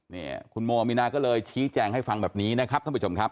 นี่คุณโมมีนาก็เลยชี้แจงให้ฟังแบบนี้นะครับท่านผู้ชมครับ